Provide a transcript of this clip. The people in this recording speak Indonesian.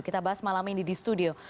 kita bahas malam ini di studio